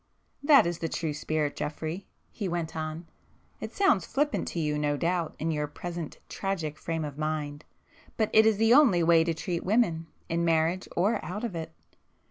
"That is the true spirit, Geoffrey,"—he went on—"It sounds flippant to you no doubt in your present tragic frame of mind,—but it is the only way to treat women, in marriage or out of it.